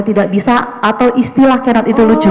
tidak bisa atau istilah kerat itu lucu